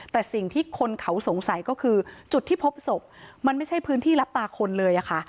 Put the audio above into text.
แต่สิ่งที่คนเขาสงสัยก็คือจุดที่พบศพมันไม่ใช่พื้นที่รับตาคนเลยค่ะ